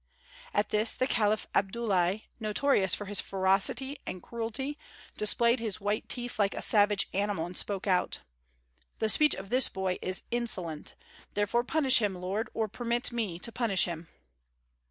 At this the caliph Abdullahi, notorious for his ferocity and cruelty, displayed his white teeth like a savage animal and spoke out: "The speech of this boy is insolent; therefore punish him, lord, or permit me to punish him."